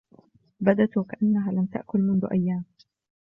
بدت و كأنها لم تأكل منذ أيام.